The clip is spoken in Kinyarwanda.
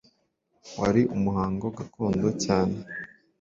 Wari umuhango gakondo cyane.